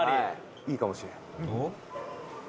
「いいかもしれない」